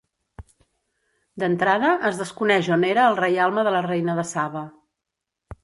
D'entrada, es desconeix on era el reialme de la reina de Saba.